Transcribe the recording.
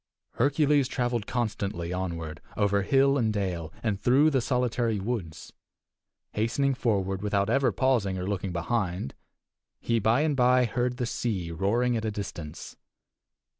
Hercules traveled constantly onward over hill and dale, and through the solitary woods. Hastening forward without ever pausing or looking behind, he, by and by, heard the sea roaring at a distance.